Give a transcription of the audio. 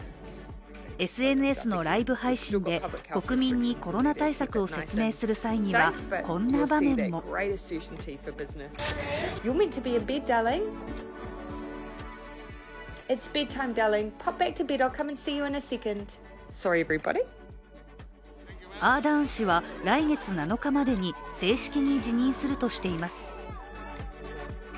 ＳＮＳのライブ配信で、国民にコロナ対策を説明する際にはこんな場面もアーダーン氏は来月７日までに正式に辞任するとしています。